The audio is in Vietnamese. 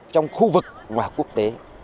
trong khu vực và quốc tế